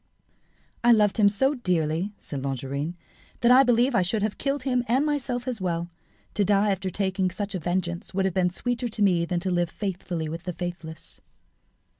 "I loved him so dearly," said Longarine, "that I believe I should have killed him, and myself as well. To die after taking such a vengeance would have been sweeter to me than to live faithfully with the faithless."